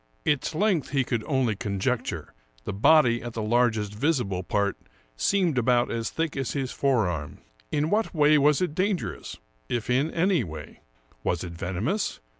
Its length he could only conjecture ; the body at the largest visible part seemed about as thick as his fore arm. In what way was it dangerous, if in any way? Was it venomous?